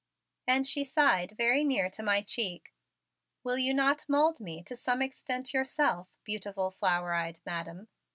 And she sighed very near to my cheek. "Will you not mould me to some extent yourself, beautiful flower eyed Madam?"